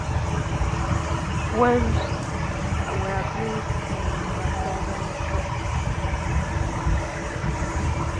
Wharves were built on the southern shore.